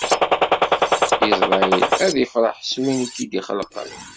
Isṛayil, ad ifreḥ s win i k-id-ixelqen!